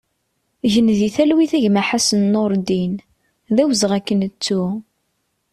Gen di talwit a gma Ḥassan Nureddin, d awezɣi ad k-nettu!